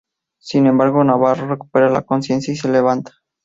Sin embargo, Navarro recupera la consciencia y se levanta.